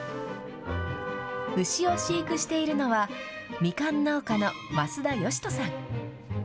牛を飼育しているのは、ミカン農家の増田好人さん。